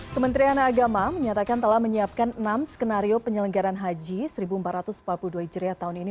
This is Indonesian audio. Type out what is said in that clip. kementerian agama menyatakan telah menyiapkan enam skenario penyelenggaran haji seribu empat ratus empat puluh dua hijriah tahun ini